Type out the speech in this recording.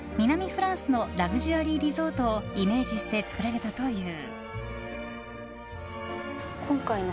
フランスのラグジュアリーリゾートをイメージして作られたという。